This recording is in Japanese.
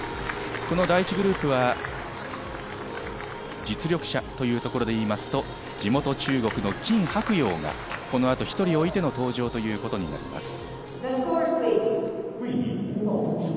この第１グループは実力者というところで言いますと、地元・中国のキン・ハクヨウがこのあと、１人置いての登場ということになります。